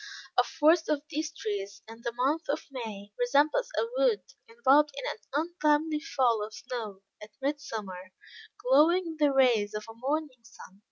A forest of these trees, in the month of May, resembles a wood, enveloped in an untimely fall of snow at midsummer, glowing in the rays of a morning sun.